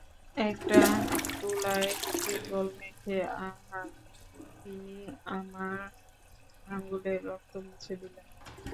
একটা তুলায় ডেটল মেখে, আহা, তিনি আমার আঙুলের রক্ত মুছে দিলেন।